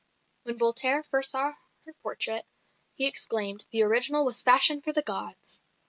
When Voltaire first saw her portrait, he exclaimed, "The original was fashioned for the gods."